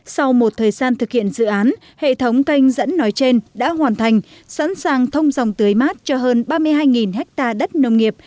sau một thời gian thực hiện dự án hệ thống canh dẫn nói trên đã hoàn thành sẵn sàng thông dòng tưới mát cho hơn ba mươi hai ha đất nông nghiệp